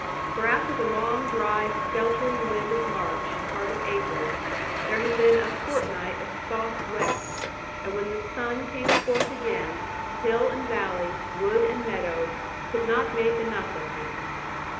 For after the long dry skeltering wind of March and part of April, there had been a fortnight of soft wet; and when the sun came forth again, hill and valley, wood and meadow, could not make enough of him.